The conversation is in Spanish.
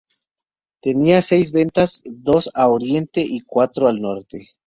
Tenía seis ventanas, dos a oriente y cuatro al norte.